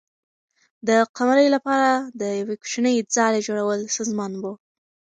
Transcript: د قمرۍ لپاره د یوې کوچنۍ ځالۍ جوړول ستونزمن و.